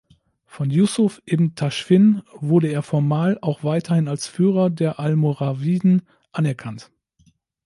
Von Yusuf ibn Taschfin wurde er formal auch weiterhin als Führer der Almoraviden anerkannt.